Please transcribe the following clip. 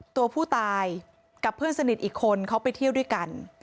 ตัวผู้ตายกับเพื่อนสนิทอีกคนเขาไปเที่ยวด้วยกัน